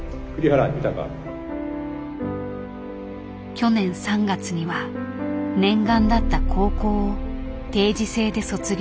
去年３月には念願だった高校を定時制で卒業。